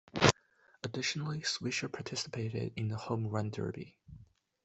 Additionally, Swisher participated in the Home Run Derby.